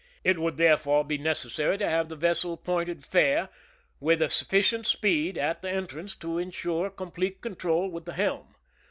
It would there fore be necessary to have the vessel pointed fair, with sufficient speed at the entrance to insure com plete control with the helm.